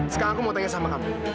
sekarang aku mau tanya sama kamu